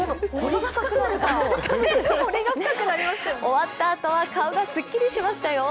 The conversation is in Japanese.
終わったあとは顔がすっきりしましたよ。